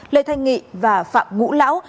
lê thanh nghị và phạm ngũ lão